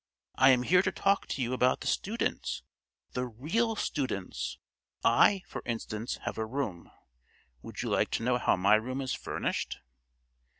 I am here to talk to you about the students, the real students. I, for instance, have a room. Would you like to know how my room is furnished?"